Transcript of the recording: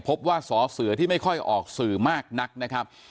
ว่าสอเสือที่ไม่ค่อยออกสื่อมากนักนะครับ